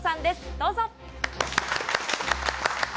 どうぞ。